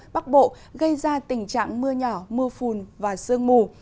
bắc bộ gây ra tình trạng mưa nhỏ mưa phùn và sương mù